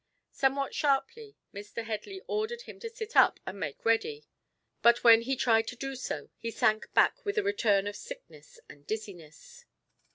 Somewhat sharply, Mr. Headley ordered him to sit up and make ready, but when he tried to do so, he sank back with a return of sickness and dizziness.